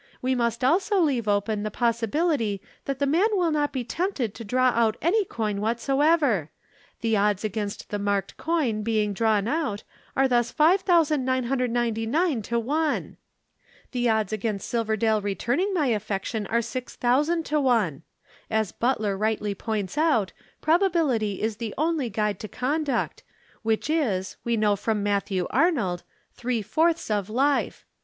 We must also leave open the possibility that the man will not be tempted to draw out any coin whatsoever. The odds against the marked coin being drawn out are thus 5999 to 1. The odds against Silverdale returning my affection are 6000 to 1. As Butler rightly points out, probability is the only guide to conduct, which is, we know from Matthew Arnold, three fourths of life.